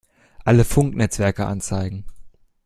Alle Funknetzwerke anzeigen!